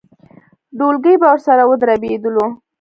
ډولکی به ورسره ودربېدلو.